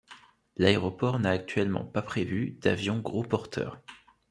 L'aéroport n'a actuellement pas prévu d'avion gros-porteur.